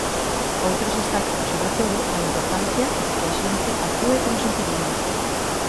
Outros destacan, sobre todo, a importancia de que a xente actúe con sentidiño.